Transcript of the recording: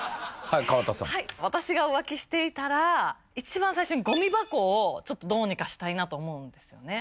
はい川田さんはい私が浮気していたら一番最初にゴミ箱をちょっとどうにかしたいなと思うんですよね